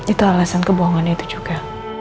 itu alasan kebohongan itu juga